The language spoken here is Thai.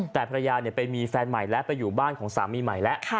แต่ภรรยาไปมีแฟนใหม่และไปอยู่บ้านของสามีใหม่แล้ว